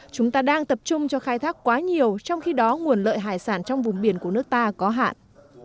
chúng ta đang tập trung cho khai thác quá nhiều trong khi đó nguồn lợi hải sản trong vùng biển của nước ta có hạn